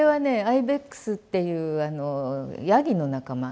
アイベックスっていうあのヤギの仲間。